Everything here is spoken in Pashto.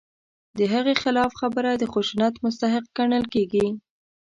د هغې خلاف خبره د خشونت مستحق ګڼل کېږي.